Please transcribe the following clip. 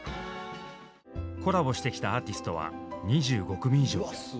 コラボしてきたアーティストは２５組以上。